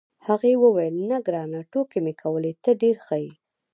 هغې وویل: نه، ګرانه، ټوکې مې کولې، ته ډېر ښه یې.